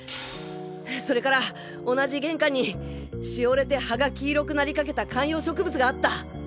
それから同じ玄関にしおれて葉が黄色くなりかけた観葉植物があった。